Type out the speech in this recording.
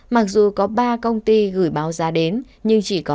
mặc dù có ba công ty gửi báo ra đến nhưng chỉ có một tủ